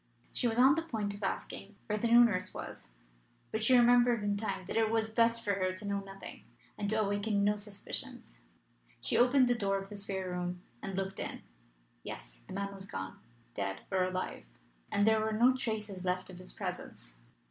She was on the point of asking where the new nurse was, but she remembered in time that it was best for her to know nothing, and to awaken no suspicions. She opened the door of the spare room and looked in. Yes; the man was gone dead or alive and there were no traces left of his presence.